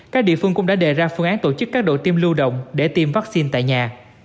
các địa phương cũng đã đề ra phương án tổ chức các đội tiêm lưu động để tiêm vaccine tại nhà